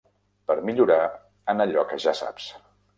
Per millorar en allò que ja saps.